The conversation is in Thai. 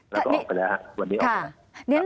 แล้วก็ออกไปแล้ววันนี้ออกไป